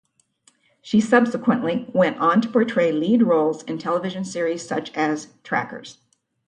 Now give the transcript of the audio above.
She subsequently went on to portray lead roles in television series such as "Trackers".